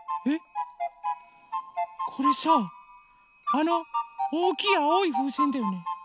あのおおきいあおいふうせんだよね？